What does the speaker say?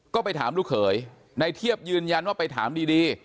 ก็ไปถามลูกเขยในเทียบยืนยันว่าไปถามดี